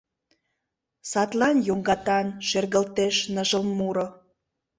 Садлан йоҥгатан шергылтеш ныжыл муро.